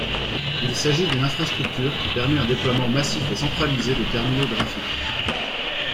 Il s’agit d’une infrastructure qui permet un déploiement massif et centralisé de terminaux graphiques.